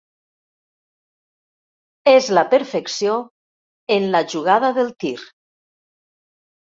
És la perfecció en la jugada del tir.